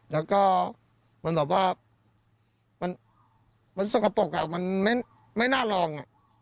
แล้วก็มันแบบว่ามันสกปรกมันไม่น่าลอง